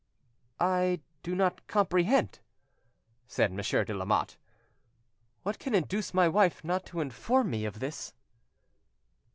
"I do not comprehend," said Monsieur de Lamotte. "What can induce my wife not to inform me of this?"